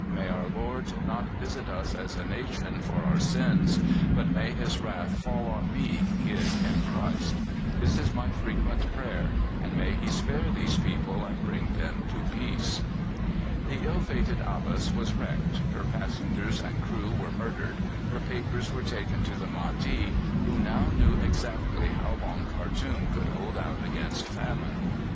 May our Lord not visit us as a nation for our sins, but may His wrath fall on me, hid in Christ. This is my frequent prayer, and may He spare these people and bring them to peace." The ill fated Abbas was wrecked, her passengers and crew were murdered, her papers were taken to the Mahdi, who now knew exactly how long Khartoum could hold out against famine.